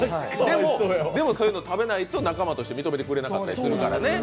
そういうのを食べないと仲間として認めてくれなかったりするからね。